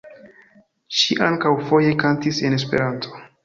Ŝi ankaŭ foje kantis en Esperanto.